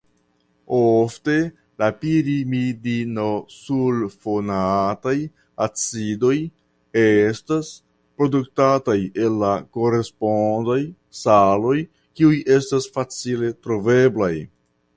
Ofte la pirimidinosulfonataj acidoj estas produktataj el la korespondaj saloj kiuj estas facile troveblaj.